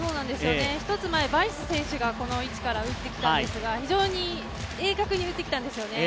１つ前バイス選手がこの位置から打ってきたんですが非常に鋭角に打ってきたんですよね。